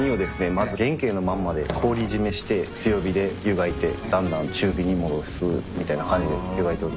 まず原形のまんまで氷締めして強火で湯がいてだんだん中火に戻すみたいな感じで湯がいております。